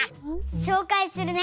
しょうかいするね！